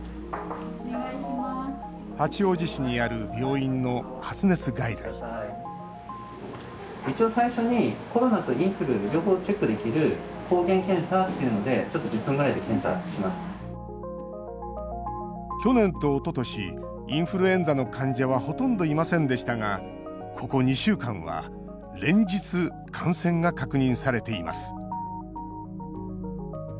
八王子市にある病院の発熱外来去年と、おととしインフルエンザの患者はほとんどいませんでしたがここ２週間は連日、感染が確認されています。